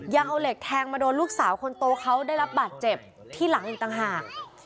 ยังเอาเหล็กแทงมาโดนลูกสาวคนโตเขาได้รับบาดเจ็บที่หลังอีกต่างหาก